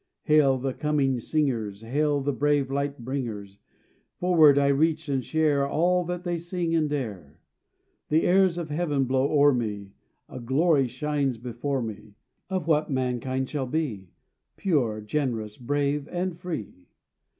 Hail to the coming singers! Hail to the brave light bringers! Forward I reach and share All that they sing and dare. The airs of heaven blow o'er me; A glory shines before me Of what mankind shall be, Pure, generous, brave, and free.